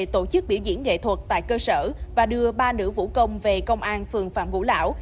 tổ chức biểu diễn nghệ thuật tại cơ sở và đưa ba nữ vũ công về công an phường phạm ngũ lão